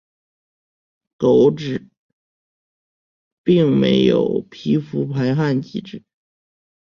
狗只并没有皮肤排汗机制。